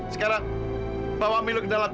sekarang bawa milo ke dalam cepat